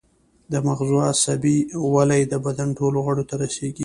د مغزو عصبي ولۍ د بدن ټولو غړو ته رسیږي